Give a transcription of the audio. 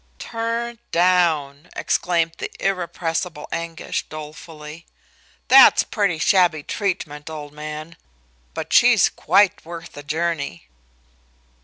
"Turned down!" exclaimed the irrepressible Anguish, dolefully. "That's pretty shabby treatment, old man. But she's quite worth the journey."